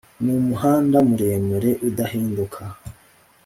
numuhanda muremure udahinduka